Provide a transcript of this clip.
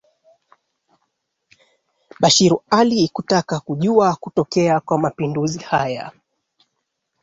bashiru ali kutaka kujua kutokea kwa mapinduzi haya